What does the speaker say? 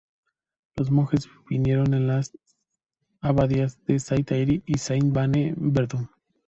Los monjes vinieron de las abadías de Saint-Airy y Saint-Vanne en Verdun.